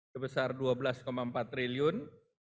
sebesar rp dua belas empat triliun